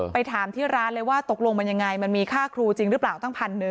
ถามที่ร้านเลยว่าตกลงมันยังไงมันมีค่าครูจริงหรือเปล่าตั้ง๑๐๐